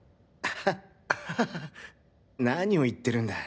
ハハハ何を言ってるんだ。